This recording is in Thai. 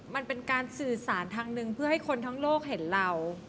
มันเป็นการสื่อสารทางหนึ่งเพื่อให้คนทั้งโลกเห็นเรา